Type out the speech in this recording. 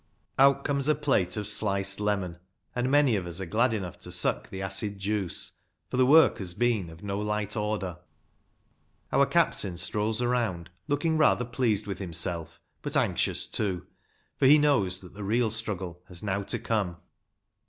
Out comes a plate of sliced lemon, and many A MODERN GAME OF RUGBY FOOTBALL. 213 of us are glad enough to suck the acid juice, for the work has been of no light order. Our captain strolls around, looking rather pleased with himself, but anxious too ; for he knows that the real struggle has now to come.